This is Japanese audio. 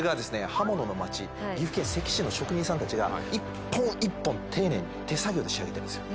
刃物の町岐阜県関市の職人さんたちが一本一本丁寧に手作業で仕上げてますよ